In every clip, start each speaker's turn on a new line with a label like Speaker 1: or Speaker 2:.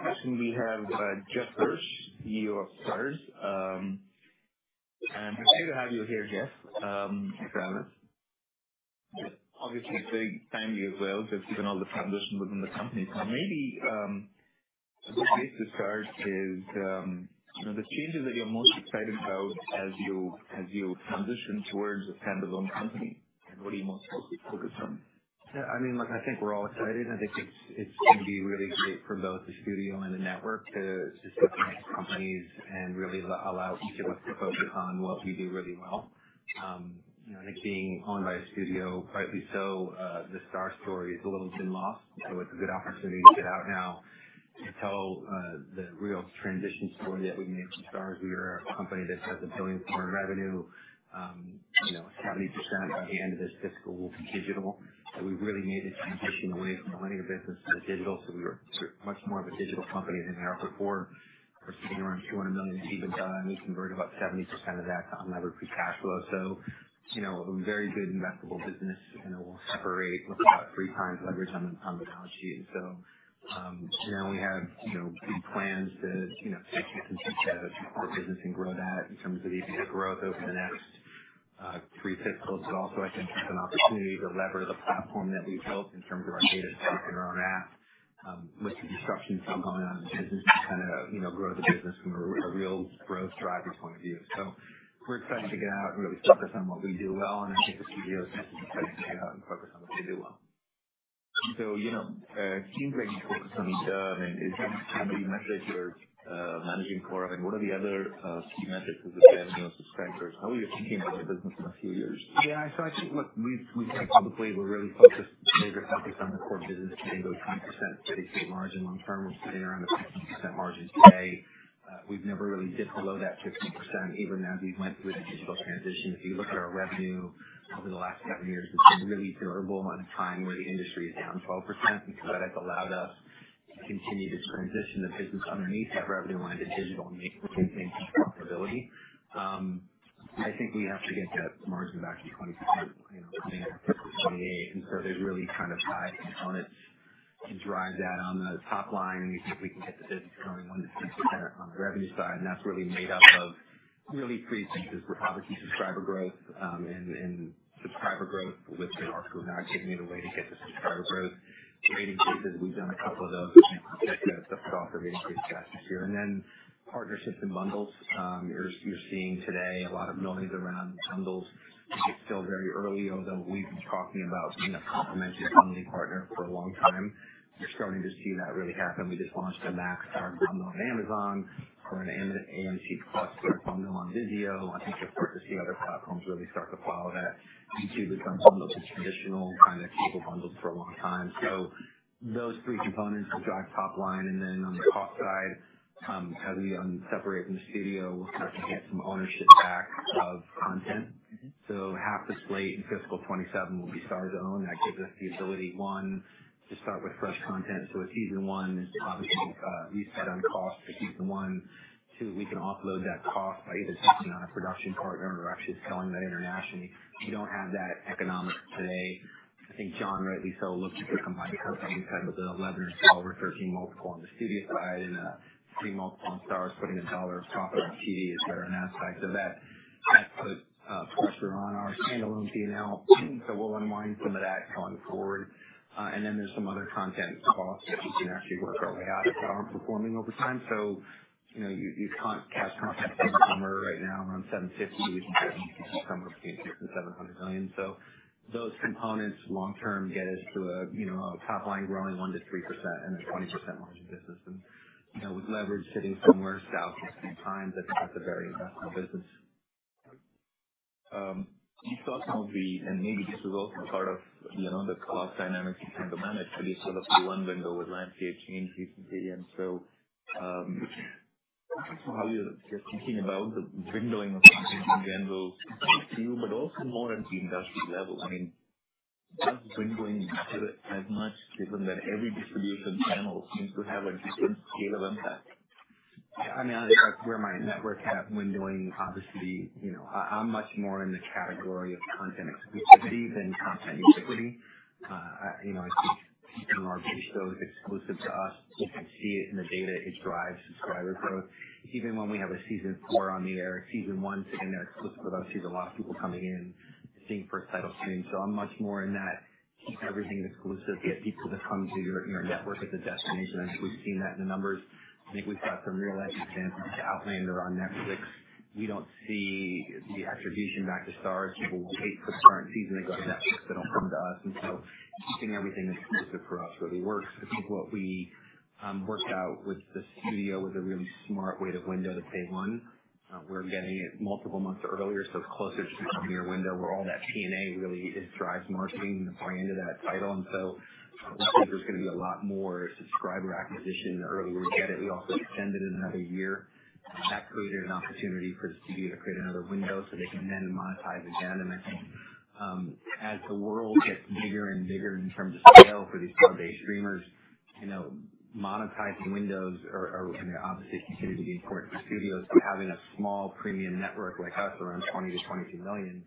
Speaker 1: Okay, so we have Jeff Hirsch, CEO of Starz, and I'm happy to have you here, Jeff.
Speaker 2: Thanks, Alex.
Speaker 1: Obviously, it's very timely as well, just given all the transition within the company. So maybe a good place to start is the changes that you're most excited about as you transition towards a standalone company. What are you most focused on?
Speaker 2: Yeah. I mean, I think we're all excited. I think it's going to be really great for both the studio and the network to separate companies and really allow each of us to focus on what we do really well. I think being owned by a studio, rightly so, the Starz story has a little been lost. So it's a good opportunity to get out now and tell the real transition story that we made from Starz. We are a company that has $1 billion in revenue. 70% by the end of this fiscal will be digital. We really made the transition away from a linear business to digital. So we were much more of a digital company than we were before. We're sitting around $200 million EBITDA. We converted about 70% of that to unlevered free cash flow. So a very good investable business. And we'll separate with about three times leverage on the balance sheet. And so now we have big plans to take this and support business and grow that in terms of even growth over the next three fiscals. But also, I think it's an opportunity to lever the platform that we've built in terms of our data center and our app, with the disruptions still going on in the business, to kind of grow the business from a real growth driver point of view. So we're excited to get out and really focus on what we do well. And I think the CEO is also excited to get out and focus on what they do well.
Speaker 1: It seems like you focus on EBITDA and is that the metric you're managing for? And what are the other key metrics of the financial or subscribers? How are you thinking about the business in a few years?
Speaker 2: Yeah. So I think, look, we've said publicly we're really focused on the core business today, those 20% that they say margin long-term. We're sitting around a 15% margin today. We've never really dipped below that 15%, even as we went through the digital transition. If you look at our revenue over the last seven years, it's been really durable at a time where the industry is down 12%. And so that has allowed us to continue to transition the business underneath that revenue line to digital and maintain some profitability. I think we have to get that margin back to 20% coming into fiscal 2028. And so there's really kind of five components to drive that. On the top line, we think we can get the business going 1% to 2% on the revenue side. And that's really made up of really three things. We're obviously subscriber growth and subscriber growth, with the a la carte now giving me the way to get the subscriber growth. Rate increases, we've done a couple of those. We've got to get stuff put off the rating case last year. And then partnerships and bundles. You're seeing today a lot of noise around bundles. It's still very early, although we've been talking about being a complementary bundling partner for a long time. You're starting to see that really happen. We just launched a Max bundle on Amazon for an AMC+ bundle on Vizio. I think you'll start to see other platforms really start to follow that. YouTube has done bundles with traditional kind of cable bundles for a long time. So those three components will drive top line. And then on the cost side, as we separate from the studio, we'll start to get some ownership back of content. Half the slate in fiscal 2027 will be Starz's own. That gives us the ability, one, to start with fresh content. So with season one, obviously, we've set on cost for season one. Two, we can offload that cost by either taking on a production partner or actually selling that internationally. We don't have that economics today. I think Jon, rightly so, looked at the combined company, kind of the 11 or 12 or 13 multiple on the studio side and a three multiple on Starz, putting a dollar of profit on TV, etc. And that's the side so that put pressure on our standalone P&L. So we'll unwind some of that going forward. And then there's some other content costs that we can actually work our way out of that aren't performing over time. So we can cash profit in the summer right now around $750. We can certainly see some growth in the season of $700 million. So those components long-term get us to a top line growing 1% to 3% and a 20% margin business. And with leverage sitting somewhere south of three times, I think that's a very investable business.
Speaker 1: You talked about the, and maybe this is also part of the cost dynamics you tend to manage, but you still have one window with landscape change recently. And so how are you just thinking about the windowing of something in general, but also more at the industry level? I mean, does windowing matter as much, given that every distribution channel seems to have a different scale of impact?
Speaker 2: Yeah. I mean, that's where my network's at with windowing. Obviously, I'm much more in the category of content exclusivity than content ubiquity. I think keeping our video shows exclusive to us. You can see it in the data. It drives subscriber growth. Even when we have a season four on the air, season one sitting there exclusive with us, you're the last people coming in, seeing first title streams. So I'm much more in that keep everything exclusive, get people to come to your network as a destination. I think we've seen that in the numbers. I think we've got some real-life examples with Outlander on Netflix. We don't see the attribution back to Starz. People will wait for the current season and go to Netflix. They don't come to us, and so keeping everything exclusive for us really works. I think what we worked out with the studio was a really smart way to window the day one. We're getting it multiple months earlier, so it's closer to the premiere window where all that P&A really drives marketing and the brand of that title. And so we think there's going to be a lot more subscriber acquisition the earlier we get it. We also extend it another year. That created an opportunity for the studio to create another window so they can then monetize again. And I think as the world gets bigger and bigger in terms of scale for these one-day streamers, monetizing windows are obviously continuing to be important for studios. But having a small premium network like us, around 20 million to 22 million,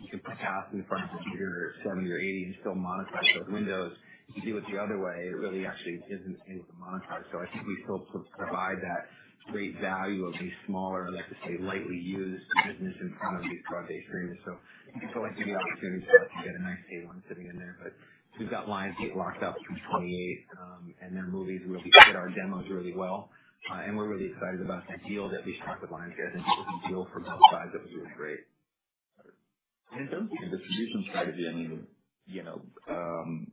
Speaker 2: you can put cost in front of a bigger 70 or 80 and still monetize those windows. If you do it the other way, it really actually isn't able to monetize. So I think we still provide that great value of these smaller, like I say, lightly used business in front of these broad-based streamers. So you can still like to be opportunities for us to get a nice day one sitting in there. But we've got Lionsgate locked up from 2028, and their movies really fit our demos really well. And we're really excited about the deal that we struck with Lionsgate. I think it was a deal for both sides that was really great.
Speaker 1: And in terms of the distribution strategy, I mean,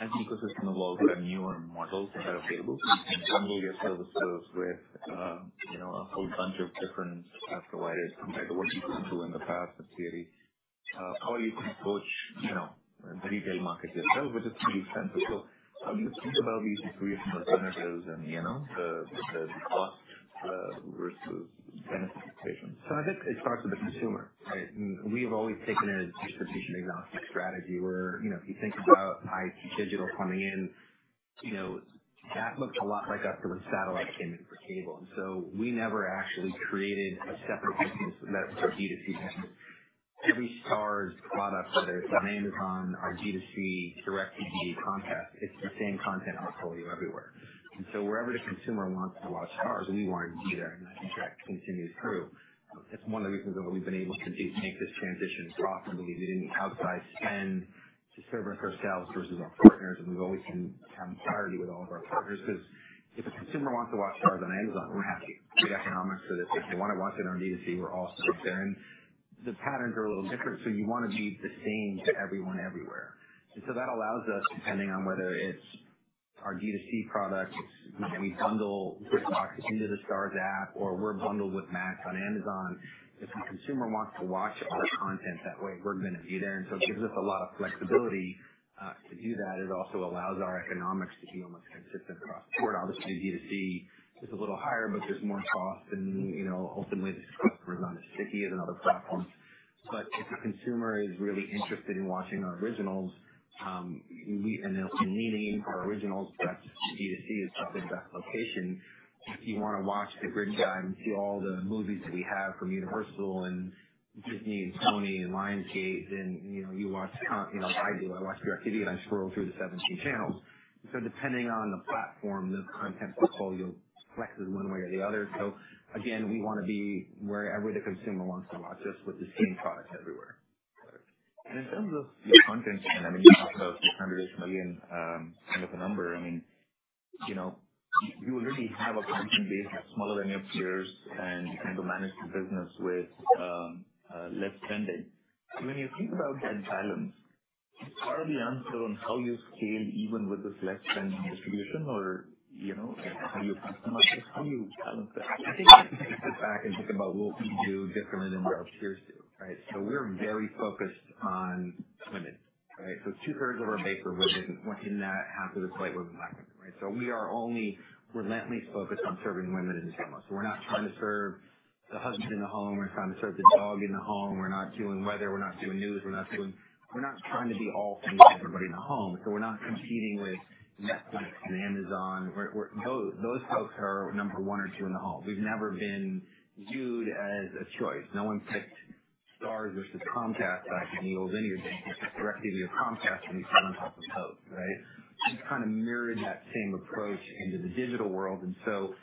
Speaker 1: as the ecosystem evolves, there are newer models that are available. You can bundle your services with a whole bunch of different providers compared to what you've been doing in the past at CAD. How are you going to approach the retail market yourself, which is pretty expensive? So how do you think about these three alternatives and the cost versus benefit equation?
Speaker 2: So I think it starts with the consumer, right? We have always taken a distribution-agnostic strategy where if you think about DTC digital coming in, that looks a lot like us doing satellite carriage for cable. And so we never actually created a separate business that was for B2C. Every Starz product, whether it's on Amazon, on DTC, DIRECTV, Comcast, it's the same content I'll tell you everywhere. And so wherever the consumer wants to watch Starz, we want to do that. And I think that continues through. That's one of the reasons that we've been able to make this transition profitably. We didn't outsize spend to serve ourselves versus our partners. And we've always been having clarity with all of our partners because if a consumer wants to watch Starz on Amazon, we're happy. We have the economics for this. If they want to watch it on DTC, we're all stoked there. And the patterns are a little different. So you want to be the same to everyone everywhere. And so that allows us, depending on whether it's our D2C product, we bundle with Fox into the Starz app, or we're bundled with Max on Amazon. If the consumer wants to watch our content that way, we're going to be there. And so it gives us a lot of flexibility to do that. It also allows our economics to be almost consistent across the board. Obviously, D2C is a little higher, but there's more cost. And ultimately, the subscriber is not as sticky as another platform. But if the consumer is really interested in watching our originals and they'll be leaning into our originals, that's D2C is probably the best location. If you want to watch the grid guide and see all the movies that we have from Universal and Disney and Sony and Lionsgate, then you watch. I do. I watch DIRECTV, and I scroll through the 17 channels. And so depending on the platform, the content portfolio flexes one way or the other. So again, we want to be wherever the consumer wants to watch us with the same product everywhere.
Speaker 1: In terms of your content spend, I mean, you talked about $600 million-ish kind of a number. I mean, you already have a content base that's smaller than your peers and you kind of manage the business with less spending. When you think about that balance, is part of the answer on how you scale even with this less spending distribution or how you customize it? How do you balance that?
Speaker 2: I think we have to take a step back and think about what we do differently than what our peers do, right? So we're very focused on women, right? So 2/3 of our base is women, but in that half of the plate was Black women, right? So we are only relentlessly focused on serving women and females. So we're not trying to serve the husband in the home. We're trying to serve the dog in the home. We're not doing weather. We're not doing news. We're not trying to be all things to everybody in the home. So we're not competing with Netflix and Amazon. Those folks are number one or two in the home. We've never been viewed as a choice. No one picked Starz versus Comcast back in the olden years. You just DIRECTV or Comcast, and you put it on top of those, right? We've kind of mirrored that same approach into the digital world. And so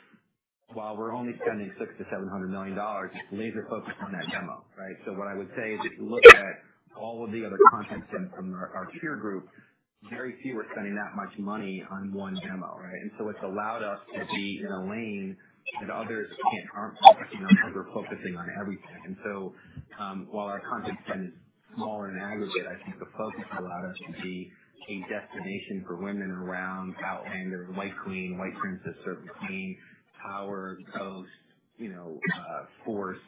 Speaker 2: while we're only spending $600 to $700 million, it's laser-focused on that demo, right? So what I would say is if you look at all of the other content spend from our peer group, very few are spending that much money on one demo, right? And so it's allowed us to be in a lane that others can't harm us because we're focusing on everything. And so while our content spend is smaller in aggregate, I think the focus allowed us to be a destination for women around Outlander, White Queen, White Princess, Serpent Queen, Power, Ghost, Force,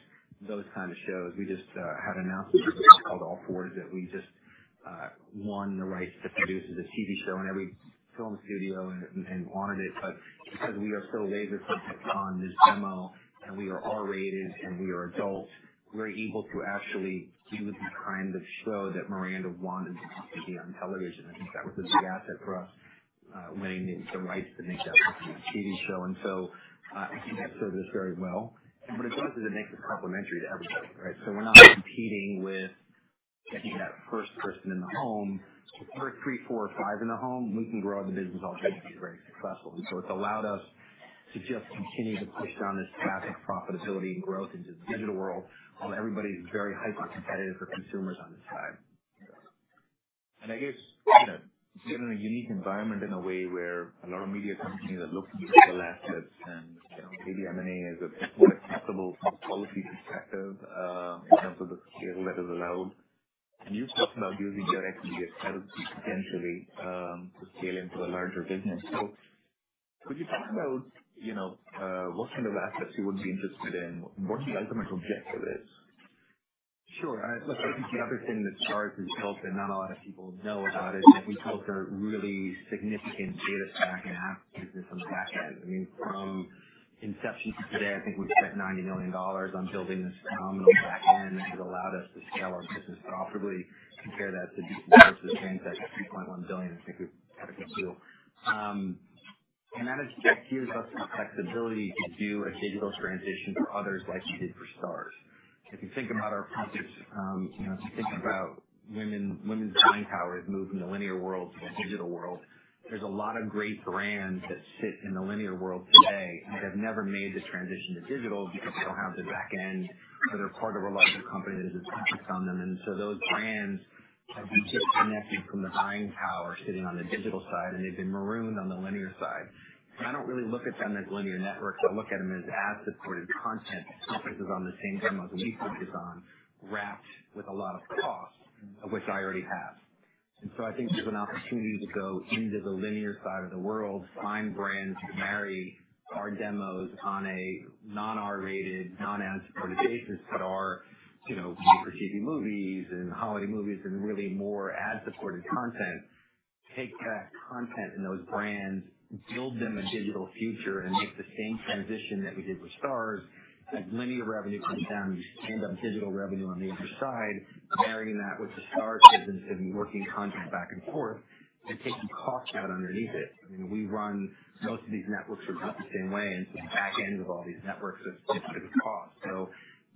Speaker 2: those kind of shows. We just had an announcement called All Fours that we just won the rights to produce as a TV show in every film studio and wanted it. But because we are so laser-focused on this demo and we are R-rated and we are adults, we're able to actually do the kind of show that Miranda wanted us to be on television. I think that was a big asset for us, winning the rights to make that TV show. And so I think that served us very well. And what it does is it makes us complementary to everybody, right? So we're not competing with getting that first person in the home. If we're three, four, or five in the home, we can grow the business alternatively and be very successful. And so it's allowed us to just continue to push down this path of profitability and growth into the digital world while everybody's very hyper-competitive for consumers on this side.
Speaker 1: And I guess you're in a unique environment in a way where a lot of media companies are looking for the last steps. And maybe M&A is a more acceptable policy perspective in terms of the scale that is allowed. And you've talked about using DIRECTV as a strategy potentially to scale into a larger business. So could you talk about what kind of assets you would be interested in and what the ultimate objective is?
Speaker 2: Sure. Look, I think the other thing that Starz has built that not a lot of people know about is that we built a really significant data stack and app business on the back end. I mean, from inception to today, I think we've spent $90 million on building this phenomenal back end that has allowed us to scale our business profitably. Compare that to the cost of the transaction, $2.1 billion. I think we've had a good deal, and that has given us the flexibility to do a digital transition for others like we did for Starz. If you think about our companies, if you think about women's buying power has moved from the linear world to the digital world, there's a lot of great brands that sit in the linear world today that have never made the transition to digital because they don't have the back end or they're part of a larger company that has a focus on them. And so those brands have been disconnected from the buying power sitting on the digital side, and they've been marooned on the linear side. And I don't really look at them as linear networks. I look at them as ad-supported content that focuses on the same demos we focus on, wrapped with a lot of cost, which I already have. And so I think there's an opportunity to go into the linear side of the world, find brands that marry our demos on a non-R-rated, non-ad-supported basis that are DTC movies and holiday movies and really more ad-supported content. Take that content and those brands, build them a digital future, and make the same transition that we did with Starz as linear revenue comes down and you stand up digital revenue on the other side, marrying that with the Starz business and working content back and forth and taking cost out underneath it. I mean, we run most of these networks are built the same way. And so the back end of all these networks is cost. So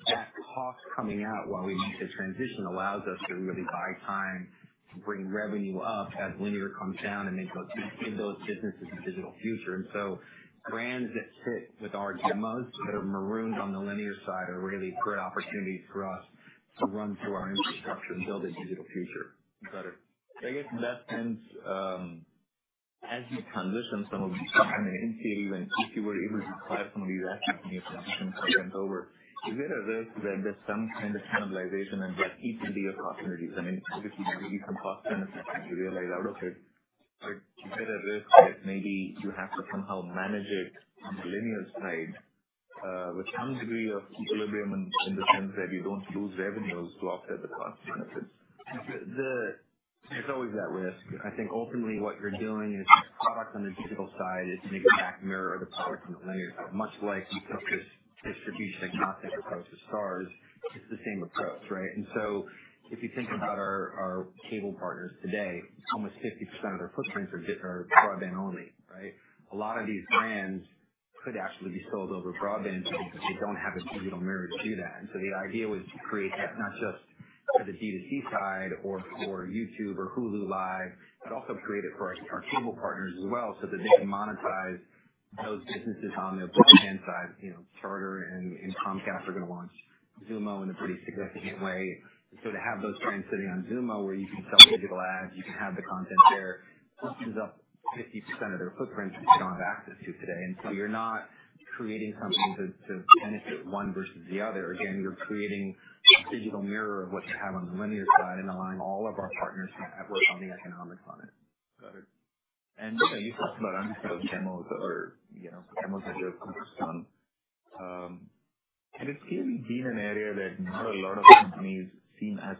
Speaker 2: that cost coming out while we make the transition allows us to really buy time to bring revenue up as linear comes down and give those businesses a digital future. And so brands that sit with our demos that are marooned on the linear side are really great opportunities for us to run through our infrastructure and build a digital future.
Speaker 1: Got it. I guess that ends, as you transition some of these companies into you, and if you were able to apply some of these ads companies and do some content over, is there a risk that there's some kind of cannibalization and that equally the opportunities? I mean, obviously, maybe some cost benefits that you realize out of it, but is there a risk that maybe you have to somehow manage it on the linear side with some degree of equilibrium in the sense that you don't lose revenues to offset the cost benefits?
Speaker 2: It's always that risk. I think ultimately what you're doing is product on the digital side is an exact mirror of the product on the linear side. Much like you took this distribution agnostic approach with Starz, it's the same approach, right? And so if you think about our cable partners today, almost 50% of their footprints are broadband only, right? A lot of these brands could actually be sold over broadband because they don't have a digital mirror to do that. And so the idea was to create that not just for the D2C side or YouTube or Hulu Live, but also create it for our cable partners as well so that they can monetize those businesses on the broadband side. Charter and Comcast are going to launch Xumo in a pretty significant way. And so to have those brands sitting on Xumo where you can sell digital ads, you can have the content there, it opens up 50% of their footprints that they don't have access to today. And so you're not creating something to benefit one versus the other. Again, you're creating a digital mirror of what you have on the linear side and allowing all of our partners to network on the economics on it.
Speaker 1: Got it. And you talked about unsold demos or demos that you're focused on. And it's clearly been an area that not a lot of companies seem as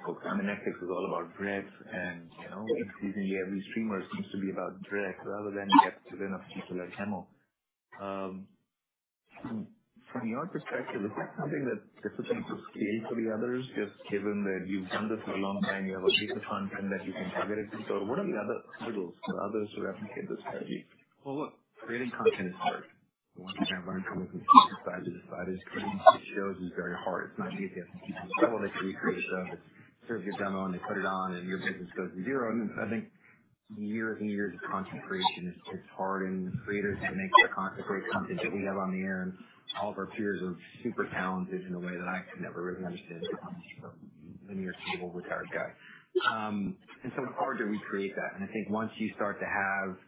Speaker 1: focused. I mean, Netflix is all about direct, and increasingly every streamer seems to be about direct rather than get to the next particular demo. From your perspective, is that something that's difficult to scale for the others, just given that you've done this for a long time, you have a base of content that you can target it to? Or what are the other hurdles for others to replicate this strategy?
Speaker 2: Look, creating content is hard. Once you kind of learn to make it from side to side, creating six shows is very hard. It's not easy. I think people struggle to create a show that serves your demo and they put it on and your business goes to zero. I think years and years of content creation, it's hard. Creators can make the content great content that we have on the air. All of our peers are super talented in a way that I could never really understand the concepts of linear cable, retired guy. It's hard to recreate that. I think once you start to have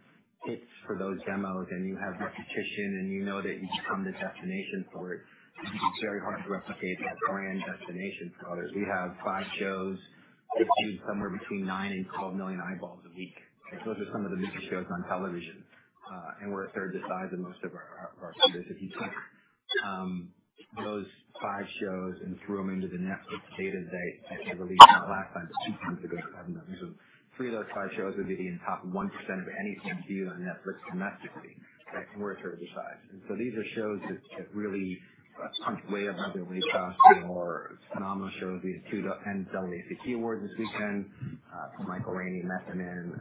Speaker 2: hits for those demos and you have repetition and you know that you've become the destination for it, it's very hard to replicate that brand destination for others. We have five shows that do somewhere between 9 million to 12 million eyeballs a week. Those are some of the major shows on television. We're a third the size of most of our peers. If you took those five shows and threw them into the Netflix data that I think I released not last time, but two times ago, seven times ago, three of those five shows would be in the top 1% of anything viewed on Netflix domestically, right, from where it's hurt the size. These are shows that really punch way above their weight class. We have our phenomenal shows. We had two NAACP awards this weekend from Michael Rainey and Method Man.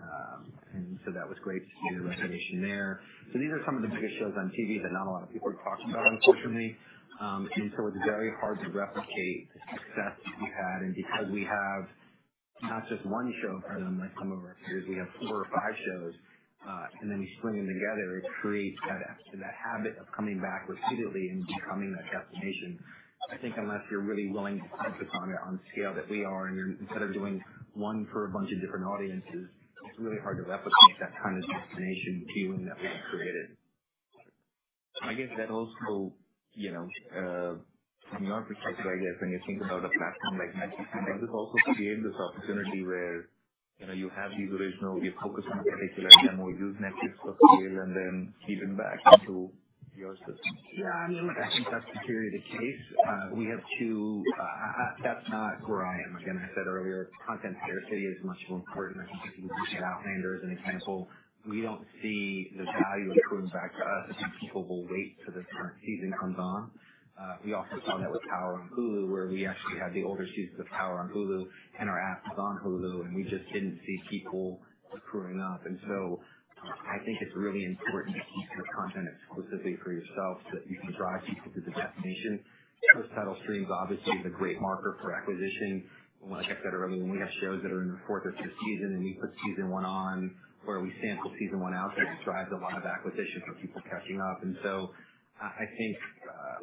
Speaker 2: That was great to see the recognition there. These are some of the biggest shows on TV that not a lot of people have talked about, unfortunately. It's very hard to replicate the success that we've had. Because we have not just one show for them, like some of our peers, we have four or five shows. We string them together. It creates that habit of coming back repeatedly and becoming that destination. I think unless you're really willing to focus on it on the scale that we are, and instead of doing one for a bunch of different audiences, it's really hard to replicate that kind of destination viewing that we've created.
Speaker 1: I guess that also, from your perspective, when you think about a platform like Netflix, does it also create this opportunity where you have these original, you focus on a particular demo, use Netflix for scale, and then feed it back into your system?
Speaker 2: Yeah. I mean, look, I think that's purely the case. We have two - that's not where I am. Again, I said earlier, content scarcity is much more important. I think if you look at Outlander as an example, we don't see the value accruing back to us. I think people will wait till this current season comes on. We often saw that with Power on Hulu, where we actually had the older seasons of Power on Hulu and our apps on Hulu, and we just didn't see people accruing up. So I think it's really important to keep your content exclusively for yourself so that you can drive people to the destination, past-season streams, obviously, is a great marker for acquisition. Like I said earlier, when we have shows that are in their fourth or fifth season and we put season one on or we sample season one out, it drives a lot of acquisition for people catching up. And so I think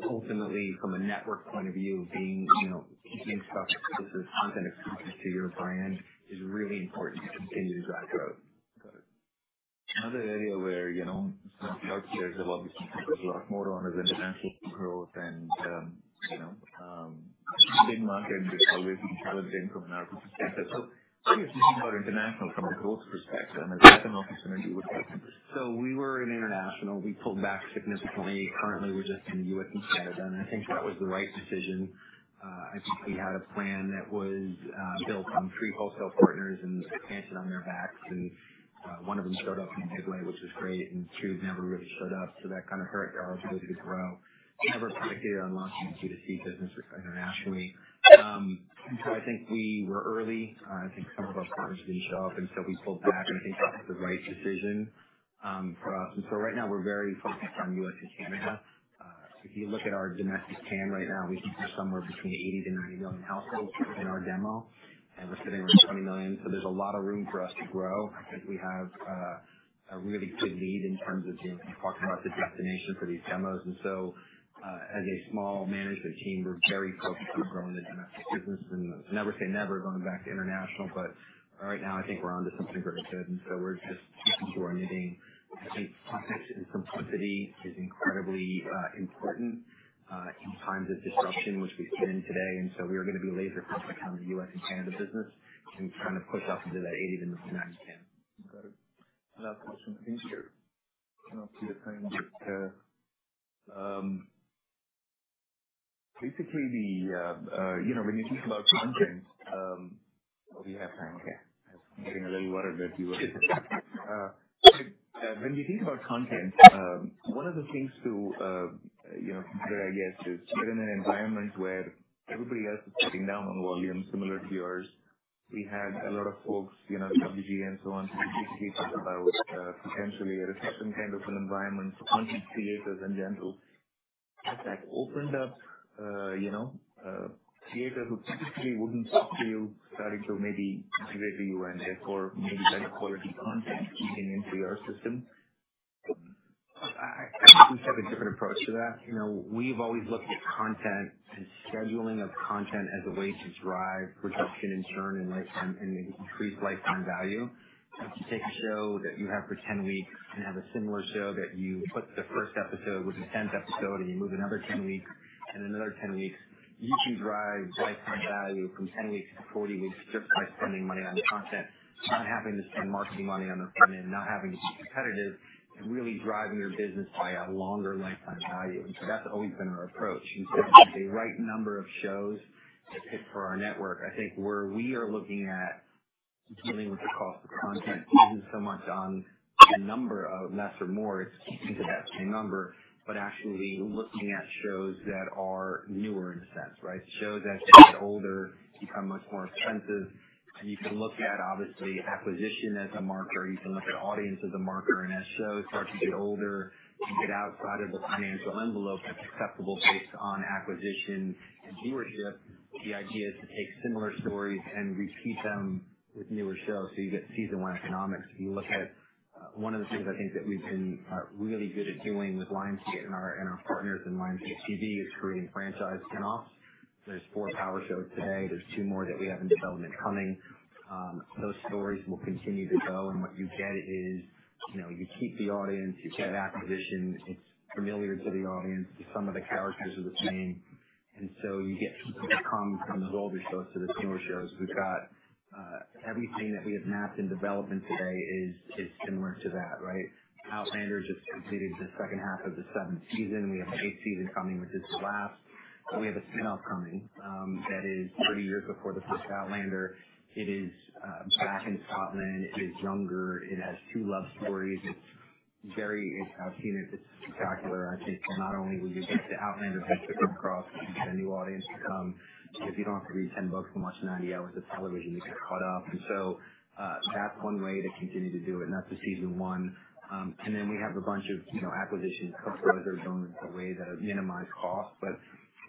Speaker 2: ultimately, from a network point of view, keeping stuff ,this is content exclusive to your brand, is really important to continue to drive growth.
Speaker 1: Got it. Another area where Starz shares a lot with you is a lot more on the international growth and big market, which always inherently brings from an outreach perspective. So what do you think about international from a growth perspective? And is that an opportunity with?
Speaker 2: So we were an international. We pulled back significantly. Currently, we're just in the U.S. and Canada. And I think that was the right decision. I think we had a plan that was built on three wholesale partners and expansion on their backs. And one of them showed up in a big way, which was great. And two never really showed up. So that kind of hurt our ability to grow. Never predicted it unlocking a DTC business internationally. And so I think we were early. I think some of our partners didn't show up. And so we pulled back. And I think that was the right decision for us. And so right now, we're very focused on U.S. and Canada. If you look at our domestic TAM right now, we think we're somewhere between 80 to 90 million households in our demo. And we're sitting around 20 million. So there's a lot of room for us to grow. I think we have a really good lead in terms of, you talked about the destination for these demos, and so as a small management team, we're very focused on growing the domestic business, and I never say never going back to international, but right now, I think we're onto something very good, and so we're just keeping to our knitting. I think context and simplicity is incredibly important in times of disruption, which we've been in today, and so we are going to be laser-focused on the U.S. and Canada business and kind of push up into that 80 to 90 TAM.
Speaker 1: Got it. Last question. I think you're kind of out of time. Oh, we have time. Okay. I was getting a little worried that you were. When you think about content, one of the things to consider, I guess, is we're in an environment where everybody else is scaling down on volume similar to yours. We had a lot of folks, WGA and so on, who basically talked about potentially a recession kind of an environment for content creators in general. Has that opened up creators who typically wouldn't talk to you, starting to maybe reach out to you and therefore maybe better quality content feeding into your system?
Speaker 2: I think we have a different approach to that. We've always looked at content and scheduling of content as a way to drive production in turn and increase lifetime value. If you take a show that you have for 10 weeks and have a similar show that you put the first episode with the 10th episode and you move another 10 weeks and another 10 weeks, you can drive lifetime value from 10 weeks to 40 weeks just by spending money on content, not having to spend marketing money on the front end, not having to be competitive, and really driving your business by a longer lifetime value. And so that's always been our approach. The right number of shows to pick for our network, I think where we are looking at dealing with the cost of content isn't so much on the number of less or more. It's keeping to that same number, but actually looking at shows that are newer in a sense, right? Shows that get older become much more expensive. You can look at, obviously, acquisition as a marker. You can look at audience as a marker. As shows start to get older, you get outside of the financial envelope that's acceptable based on acquisition and viewership. The idea is to take similar stories and repeat them with newer shows. So you get season one economics. If you look at one of the things I think that we've been really good at doing with Lionsgate and our partners in Lionsgate TV is creating franchise kickoffs. are four Power shows today. There are two more that we have in development coming. Those stories will continue to go. And what you get is you keep the audience, you get acquisition, it's familiar to the audience, some of the characters are the same. And so you get people to come from those older shows to the newer shows. We've got everything that we have mapped and developed in today is similar to that, right? Outlander just completed the second half of the seventh season. We have an eighth season coming, which is the last. We have a spinoff coming that is 30 years before the first Outlander. It is back in Scotland. It is younger. It has two love stories. I've seen it. It's spectacular. I think not only will you get the Outlander that you've just come across, you get a new audience to come. If you don't have to read 10 books and watch 90 hours of television, you get caught up, and so that's one way to continue to do it, and that's the season one, and then we have a bunch of acquisitions that minimize cost, but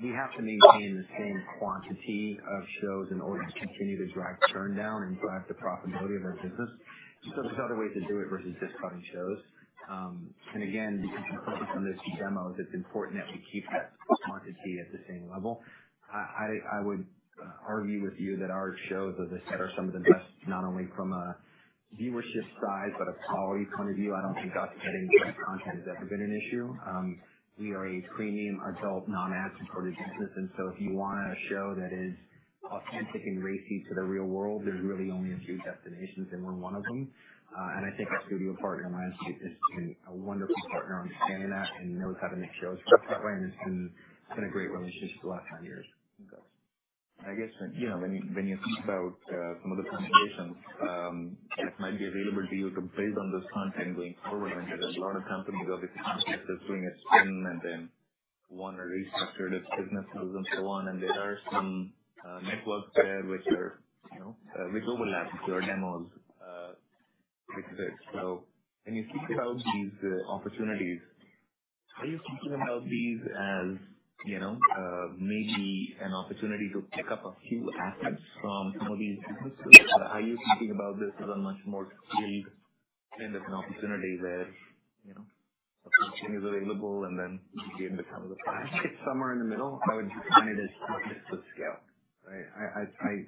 Speaker 2: we have to maintain the same quantity of shows in order to continue to drive churn down and drive the profitability of our business. And so there's other ways to do it versus just cutting shows, and again, because we're focused on those two demos, it's important that we keep that quantity at the same level. I would argue with you that our shows of this set are some of the best, not only from a viewership size, but a quality point of view. I don't think us getting the right content has ever been an issue. We are a premium adult non-ad-supported business, and so if you want a show that is authentic and racy to the real world, there's really only a few destinations, and we're one of them, and I think our studio partner, Lionsgate, has been a wonderful partner on expanding that and knows how to make shows work that way, and it's been a great relationship the last nine years.
Speaker 1: I guess when you think about some of the conversations, it might be available to you to build on this content going forward, and there's a lot of companies, obviously, Netflix is doing its thing and then want to restructure their businesses and so on, and there are some networks there which overlap into our demos, so when you think about these opportunities, are you thinking about these as maybe an opportunity to pick up a few assets from some of these businesses? Are you thinking about this as a much more skilled kind of an opportunity where something is available and then you gain the time of the prize?
Speaker 2: It's somewhere in the middle. I would define it as just the scale, right? I think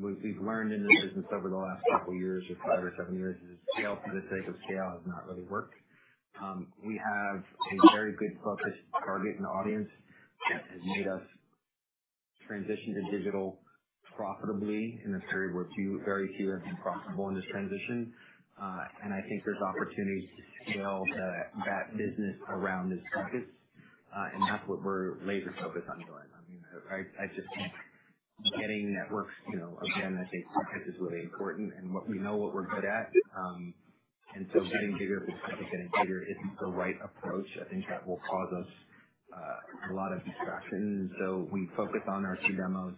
Speaker 2: we've learned in this business over the last couple of years or five or seven years is scale for the sake of scale has not really worked. We have a very good focused target and audience that has made us transition to digital profitably in a period where very few have been profitable in this transition. And I think there's opportunities to scale that business around this focus. And that's what we're laser-focused on doing. I mean, I just think getting networks again. I think focus is really important. And we know what we're good at. And so getting bigger is kind of getting bigger isn't the right approach. I think that will cause us a lot of distraction. And so we focus on our two demos.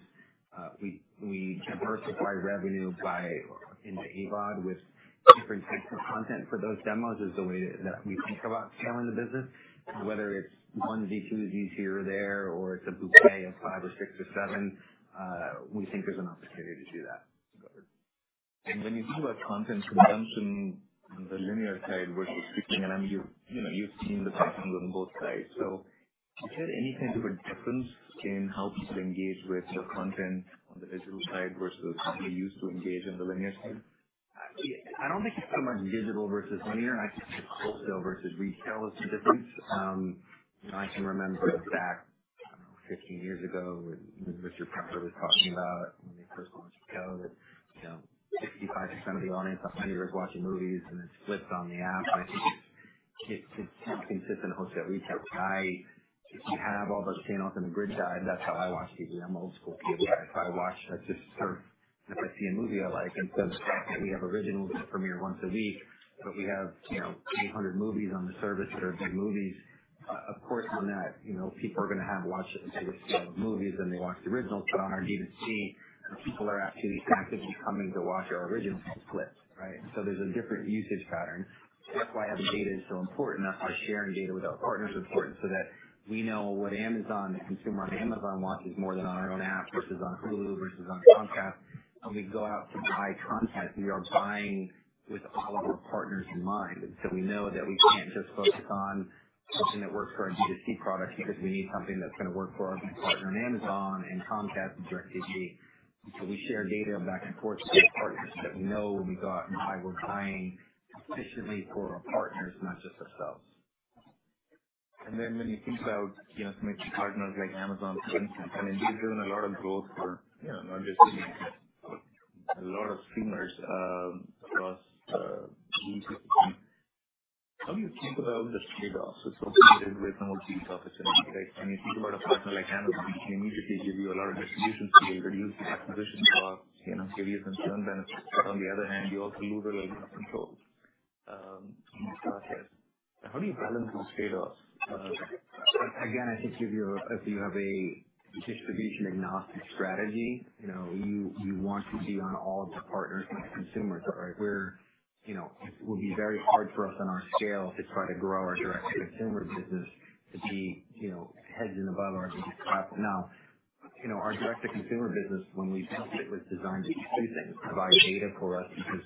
Speaker 2: We diversify revenue by into AVOD with different types of content for those demos is the way that we think about scaling the business. Whether it's onesie, twosies, here or there, or it's a bouquet of five or six or seven, we think there's an opportunity to do that.
Speaker 1: Got it. And when you think about content consumption on the linear side versus streaming, and I mean, you've seen the patterns on both sides. So is there any kind of a difference in how people engage with the content on the digital side versus how they're used to engage on the linear side?
Speaker 2: I don't think it's so much digital versus linear. I think it's wholesale versus retail is the difference. I can remember back 15 years ago when Richard Plepler was talking about when they first launched HBO, that 65% of the audience online was watching movies and it split on the app. And I think it's not consistent in wholesale retail. If you have all those channels in a grid guide, that's how I watch TV. I'm old school TV guy. So I watch that just surfed. And if I see a movie I like, instead of the fact that we have originals that premiere once a week, but we have 800 movies on the service that are good movies. Of course, on that, people are going to have to watch it to the scale of movies than they watch the originals. But on our D2C, people are actually actively coming to watch our originals to split, right? So there's a different usage pattern. That's why having data is so important. That's why sharing data with our partners is important so that we know what Amazon, the consumer on Amazon watches more than on our own app versus on Hulu versus on Comcast. When we go out to buy content, we are buying with all of our partners in mind. And so we know that we can't just focus on something that works for our D2C product because we need something that's going to work for our big partner on Amazon and Comcast and DIRECTV. And so we share data back and forth with our partners that we know we got and why we're buying efficiently for our partners, not just ourselves.
Speaker 1: And then when you think about some of these partners like Amazon for instance, I mean, they've driven a lot of growth for not just a lot of streamers across the ecosystem. How do you think about the trade-offs associated with a DTC opportunity, right? When you think about a partner like Amazon, they can immediately give you a lot of distribution skills, reduce the acquisition costs, give you some churn benefits. But on the other hand, you also lose a little bit of control. How do you balance these trade-offs?
Speaker 2: Again, I think if you have a distribution-agnostic strategy, you want to be on all of the partners and consumers, right? Where it will be very hard for us on our scale to try to grow our direct-to-consumer business to be head and shoulders above our biggest platform. Now, our direct-to-consumer business, when we built it, was designed to do two things. Provide data for us because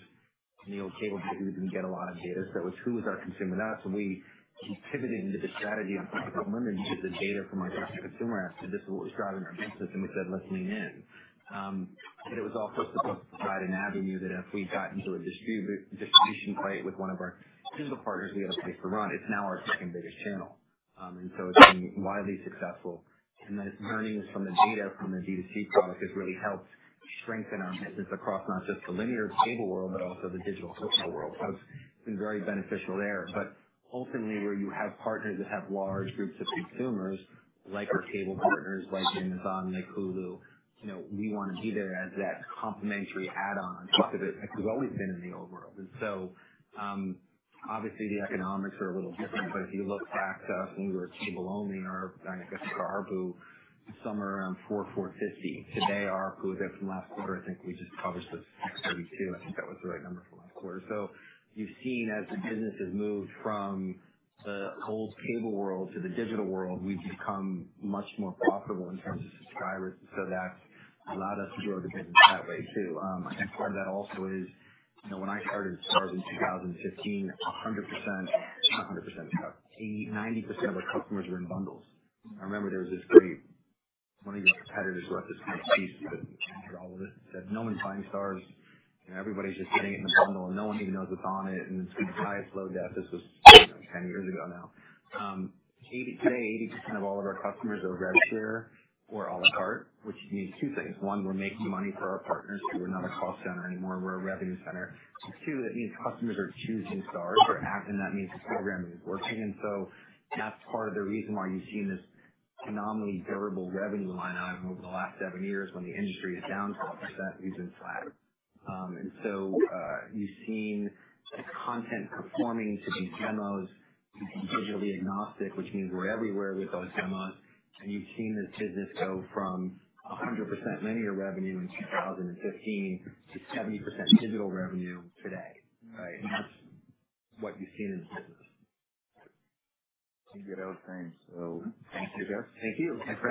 Speaker 2: cable didn't get a lot of data. So it was, "Who is our consumer now?" So we pivoted into the strategy on top of them and did the data from our direct-to-consumer app. So this is what was driving our business. And we said, "Let's lean in." But it was also supposed to provide an avenue that if we got into a distribution fight with one of our single partners, we had a place to run. It's now our second biggest channel. It's been widely successful. The learnings from the data from the DTC product has really helped strengthen our business across not just the linear cable world, but also the digital wholesale world. It's been very beneficial there. Ultimately, where you have partners that have large groups of consumers like our cable partners, like Amazon, like Hulu, we want to be there as that complementary add-on. Part of it has always been in the old world. Obviously, the economics are a little different. If you look back to us when we were cable-only, I guess for ARPU, somewhere around $4.45. Today, ARPU there from last quarter, I think we just published the $6.32. I think that was the right number for last quarter. So you've seen as the business has moved from the old cable world to the digital world, we've become much more profitable in terms of subscribers, and so that's allowed us to grow the business that way too. I think part of that also is when I started Starz in 2015, 100%, not 100%, 90% of our customers were in bundles. I remember there was this great one of your competitors who had this kind of piece that said no one's buying Starz. Everybody's just getting it in a bundle, and no one even knows what's on it, and it's going to die of slow death. This was 10 years ago now. Today, 80% of all of our customers are DTC or à la carte, which means two things. One, we're making money for our partners who are not a cost center anymore. We're a revenue center. Two, that means customers are choosing Starz app, and that means the programming is working. That's part of the reason why you've seen this phenomenally durable revenue line item over the last seven years when the industry is down 12%. We've been flat. You've seen the content performing to these demos being digitally agnostic, which means we're everywhere with those demos. You've seen this business go from 100% linear revenue in 2015 to 70% digital revenue today, right? That's what you've seen in this business.
Speaker 1: Thank you for those things. So thank you, guys.
Speaker 2: Thank you.